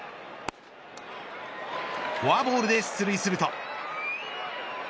フォアボールで出塁すると。